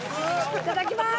いただきます！